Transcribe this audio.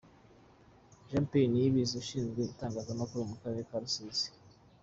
Jean Pierre Niyibizi ushinzwe Itangazamakuru mu Karere ka Rusizi .